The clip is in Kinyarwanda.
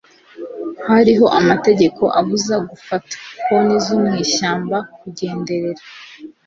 hariho amategeko abuza gufata, poni zo mwishyamba kugendera